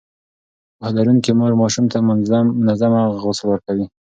پوهه لرونکې مور ماشوم ته منظم غسل ورکوي.